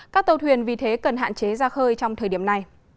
các tàu thuyền vì thế cần hạn chế ra khơi trong thời điểm này